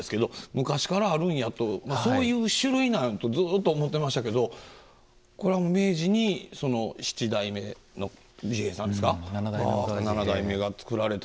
昔からあるんやとそういう種類なんやとずっと思ってましたけどこれは明治に７代目の治兵衛さんですか。